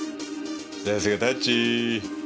さすがタッチー。